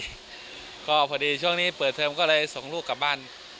เอาโมงพอดีช่วงนี้เปิดเทิมเรายังส่งลูกกลับบ้าน